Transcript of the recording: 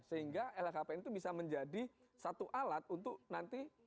sehingga lhkpn itu bisa menjadi satu alat untuk nanti